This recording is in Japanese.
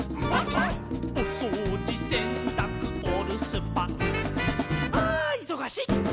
「おそうじせんたくおるすパン」「あいそがしっ！」